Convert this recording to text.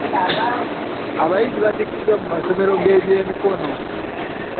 Abayizi baatikkiddwa mu masomo g'eby'emikono.